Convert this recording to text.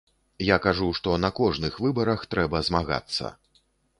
Я кажу, што на кожных выбарах трэба змагацца.